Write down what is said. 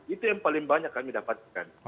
itu yang paling banyak kami dapatkan